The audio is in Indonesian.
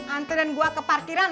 ante dan gua ke parkiran